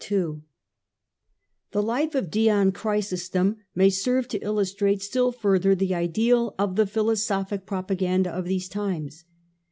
The life of Dion Chrysostom may serve to illustrate still further the ideal of the philosophic propaganda of ^ these times.